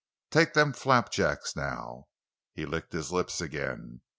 Take them flapjacks, now." (He licked his lips again.)